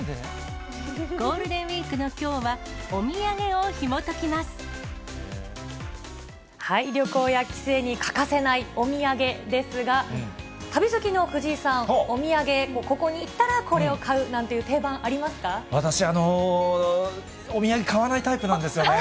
ゴールデンウィークのきょうは、旅行や帰省に欠かせないお土産ですが、旅先の藤井さん、お土産、ここに行ったらこれを買うなんて定番、私、あの、お土産買わないタイプなんですよね。